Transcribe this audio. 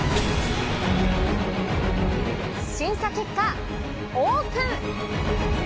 審査結果、オープン。